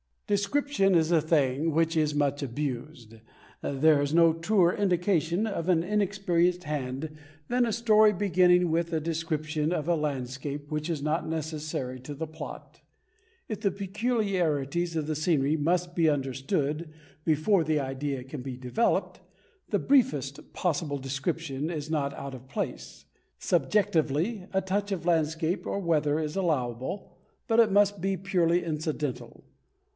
Description is a thing which is much abused. There is no truer indication of an inexperienced hand than a story beginning with a description of a landscape which is not necessary to the plot. If the peculiarities of the scenery must be understood before the idea can be developed, the briefest possible description is not out of place. Subjectively, a touch of landscape or weather is allowable, but it must be purely incidental.